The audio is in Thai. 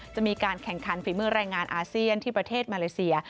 จะมีการแข่งขันฝีมือแรงงานอาเซียนที่ประเทศมาเลเซีย